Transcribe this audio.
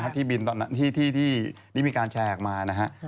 ที่บินที่มีการแชร์ออกมานะฮะ